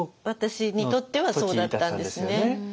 私にとってはそうだったんですね。